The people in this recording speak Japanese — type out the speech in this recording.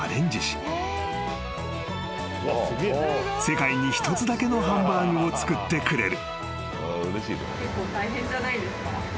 ［世界に一つだけのハンバーグを作ってくれる］